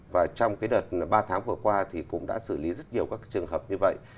và trong đợt ba tháng vừa qua thì cũng đã xử lý rất nhiều các trường hợp như vậy